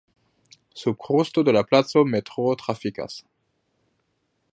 Sub krusto de la placo metroo trafikas.